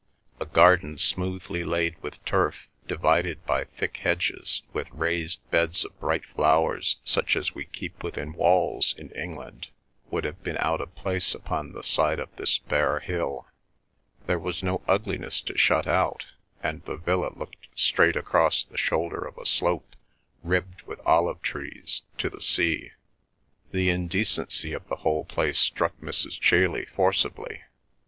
A garden smoothly laid with turf, divided by thick hedges, with raised beds of bright flowers, such as we keep within walls in England, would have been out of place upon the side of this bare hill. There was no ugliness to shut out, and the villa looked straight across the shoulder of a slope, ribbed with olive trees, to the sea. The indecency of the whole place struck Mrs. Chailey forcibly.